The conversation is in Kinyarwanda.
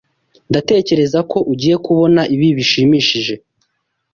Ndatekereza ko ugiye kubona ibi bishimishije.